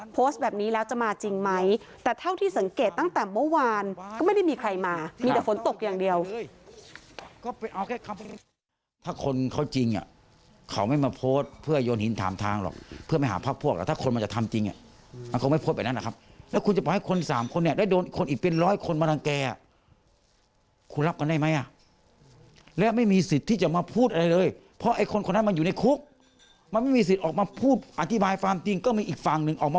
โพสต์แบบนี้แล้วจะมาจริงไหมแต่เท่าที่สังเกตตั้งแต่เมื่อวานก็ไม่ได้มีใครมามีแต่ฝนตกอย่างเดียว